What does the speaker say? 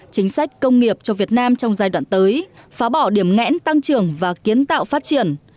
chính sách công nghiệp cho việt nam trong giai đoạn tới phá bỏ điểm ngẽn tăng trưởng và kiến tạo phát triển